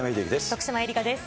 徳島えりかです。